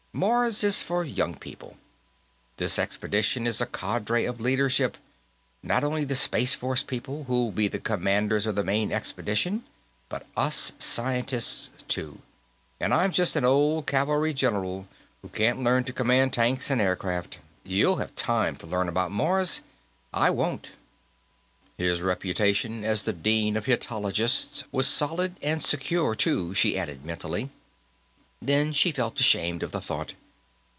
Mars is for young people. This expedition is a cadre of leadership not only the Space Force people, who'll be the commanders of the main expedition, but us scientists, too. And I'm just an old cavalry general who can't learn to command tanks and aircraft. You'll have time to learn about Mars. I won't." His reputation as the dean of Hittitologists was solid and secure, too, she added mentally. Then she felt ashamed of the thought.